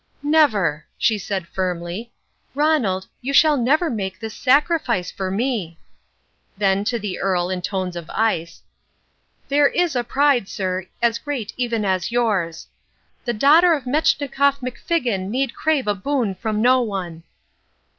"Never," she said firmly. "Ronald, you shall never make this sacrifice for me." Then to the Earl, in tones of ice, "There is a pride, sir, as great even as yours. The daughter of Metschnikoff McFiggin need crave a boon from no one."